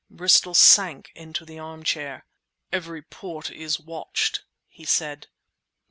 Bristol sank into the armchair. "Every port is watched," he said.